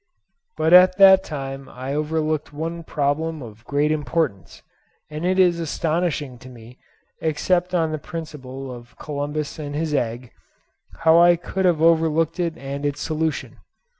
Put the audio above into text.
But at that time I overlooked one problem of great importance; and it is astonishing to me, except on the principle of Columbus and his egg, how I could have overlooked it and its solution.